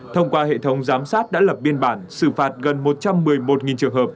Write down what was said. thông qua hệ thống giám sát đã lập biên bản xử phạt gần một trăm một mươi một trường hợp